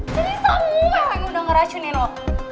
jadi samuel yang udah ngeracunin lo